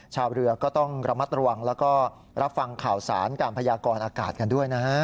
ชาวเรือก็ต้องระมัดระวังแล้วก็รับฟังข่าวสารการพยากรอากาศกันด้วยนะฮะ